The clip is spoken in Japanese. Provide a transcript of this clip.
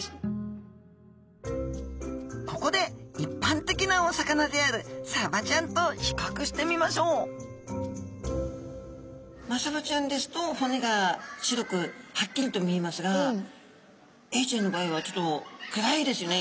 ここでいっぱん的なお魚であるサバちゃんと比較してみましょうマサバちゃんですと骨が白くはっきりと見えますがエイちゃんの場合はちょっと暗いですよね。